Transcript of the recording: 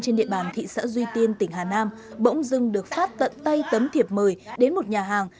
trên địa bàn thị xã duy tiên tỉnh hà nam bỗng dưng được phát tận tay tấm thiệp mời đến một nhà hàng